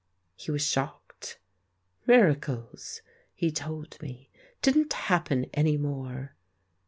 He was shocked. Miracles, he told me, didn't happen any more.